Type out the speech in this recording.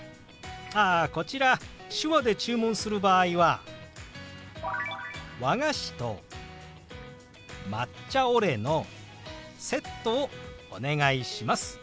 ああこちら手話で注文する場合は「和菓子と抹茶オレのセットをお願いします」と表します。